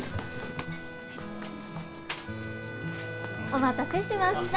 お待たせしました。